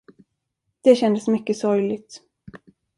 Det kändes mycket sorgligt.